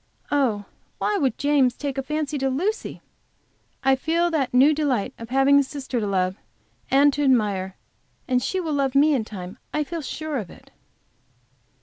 Oh, why would James take a fancy to Lucy! I feel the new delight of having a sister to love and to admire. And she will love me in time; I feel sure of it.